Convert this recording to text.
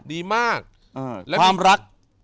ดีมาก